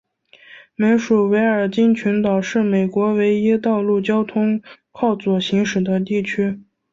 美属维尔京群岛是美国唯一道路交通靠左行驶的地区。